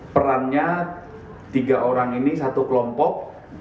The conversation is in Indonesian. perannya tiga orang ini satu kelompok